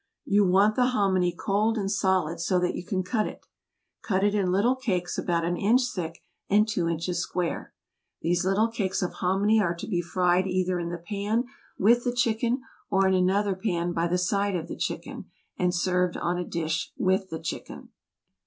You want the hominy cold and solid so that you can cut it. Cut it in little cakes about an inch thick and two inches square. These little cakes of hominy are to be fried either in the pan with the chicken or in another pan by the side of the chicken, and served on a dish with the chicken.